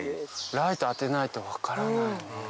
ライト当てないと分からないね。